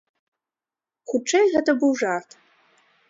Хутчэй, гэта быў жарт.